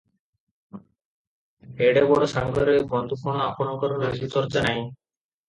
ଏଡେ ଲୋକ ସାଙ୍ଗରେ ବନ୍ଧୁପଣ - ଆପଣଙ୍କର ନାମ ଚର୍ଚ୍ଚା ନାହିଁ ।